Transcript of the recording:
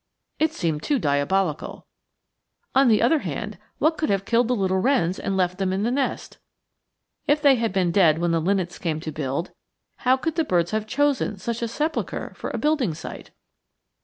It seemed too diabolical. On the other hand, what could have killed the little wrens and left them in the nest? If they had been dead when the linnets came to build, how could the birds have chosen such a sepulchre for a building site?